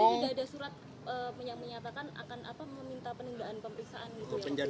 oh jadi nggak ada surat yang menyatakan akan meminta penundaan pemirsaan gitu ya